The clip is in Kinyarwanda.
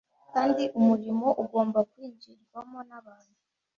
kandi umurimo ugomba kwinjirwamo n’abantu